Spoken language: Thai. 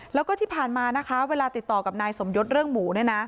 แล้วก็ที่ผ่านมานะคะเวลาติดต่อกับนายสมยศเรื่องหมูเนี่ยนะ